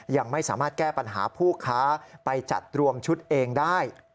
ยังไม่สามารถแก้ปัญหาผู้ค้าไปจัดรวมชุดเองได้